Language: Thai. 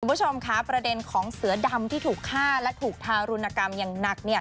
คุณผู้ชมค่ะประเด็นของเสือดำที่ถูกฆ่าและถูกทารุณกรรมอย่างหนัก